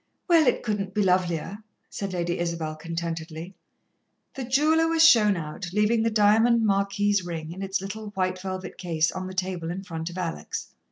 "Well, it couldn't be lovelier," said Lady Isabel contentedly. The jeweller was shown out, leaving the diamond marquise ring, in its little white velvet case, on the table in front of Alex.